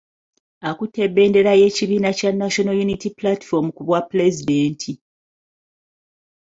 Akutte bendera y'ekibiina kya National Unity Platform ku bwapulezidenti.